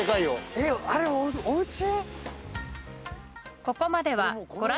えっあれおうち？